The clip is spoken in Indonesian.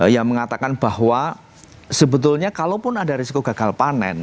yang mengatakan bahwa sebetulnya kalaupun ada risiko gagal panen